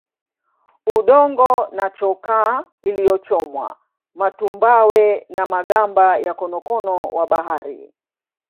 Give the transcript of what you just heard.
Udongo na chokaa iliyochomwa matumbawe na magamba ya konokono wa bahari